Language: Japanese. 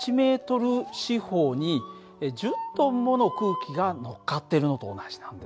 １ｍ四方に１０ｔもの空気がのっかってるのと同じなんですよ。